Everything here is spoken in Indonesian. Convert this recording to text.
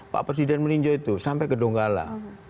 pak presiden meninjau itu sampai ke donggala